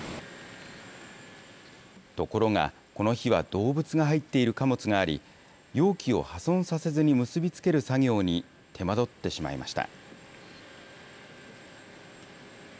ところがこの日は動物が入っている貨物があり、容器を破損させずに結び付ける作業に手間取ってしまいました。